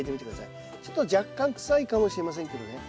ちょっと若干臭いかもしれませんけどね。